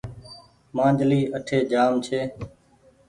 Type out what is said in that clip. مآنجلي اٺي جآم ڇي۔